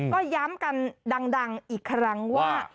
ก็ย้ำกันดังอีกครั้งว่า